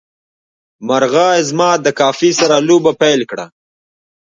مرغه زما د کافي سره لوبه پیل کړه.